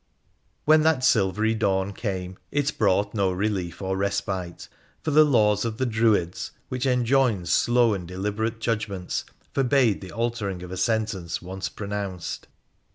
When that silvery dawn came, it brought no relief or respite, for the laws of the Druids, which enjoined slow and deliberate judgments, forbade the altering of a sentence once pronounced.